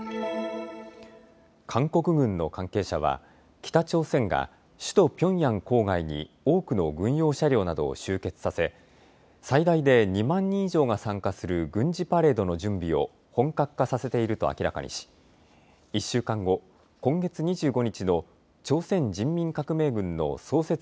韓国軍の関係者は北朝鮮が首都ピョンヤン郊外に多くの軍用車両などを集結させ最大で２万人以上が参加する軍事パレードの準備を本格化させていると明らかにし１週間後、今月２５日の朝鮮人民革命軍の創設